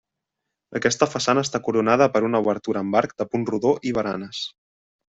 Aquesta façana està coronada per una obertura amb arc de punt rodó i baranes.